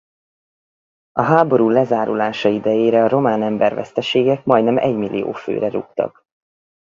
A háború lezárulása idejére a román emberveszteségek majdnem egymillió főre rúgtak.